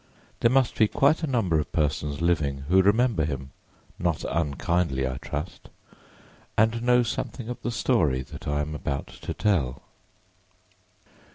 There must be quite a number of persons living who remember him, not unkindly, I trust, and know something of the story that I am about to tell.